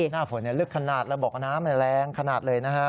หน้าฝนลึกขนาดแล้วบอกน้ำแรงขนาดเลยนะฮะ